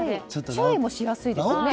注意もしやすいですね。